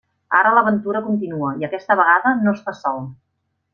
Ara l'aventura continua i aquesta vegada no està sol.